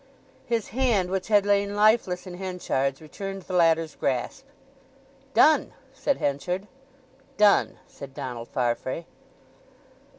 His hand, which had lain lifeless in Henchard's, returned the latter's grasp. "Done," said Henchard. "Done," said Donald Farfrae.